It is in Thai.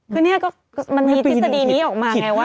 คือเนี่ยก็มันมีทฤษฎีนี้ออกมาไงว่า